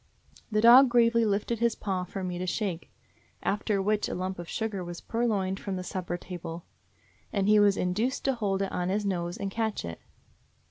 The dog gravely lifted his paw for me to shake; after which a lump of sugar was pur loined from the supper table, and he was induced to hold it on his nose and catch it.